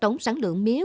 tổng sản lượng mía